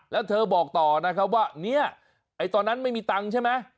แล้วเธอบอกต่อนะครับว่าเนี่ยตอนนั้นไม่มีตังค์ใช่ไหม